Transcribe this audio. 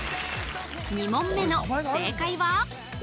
２問目の正解は？